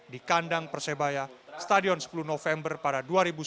di kandang persebaya stadion sepuluh november pada dua ribu sembilan belas